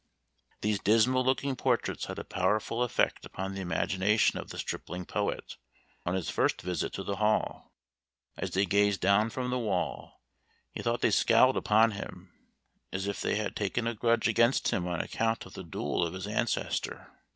These dismal looking portraits had a powerful effect upon the imagination of the stripling poet, on his first visit to the hall. As they gazed down from the wall, he thought they scowled upon him, as if they had taken a grudge against him on account of the duel of his ancestor.